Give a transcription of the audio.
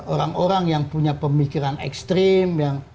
orang orang yang punya pemikiran ekstrim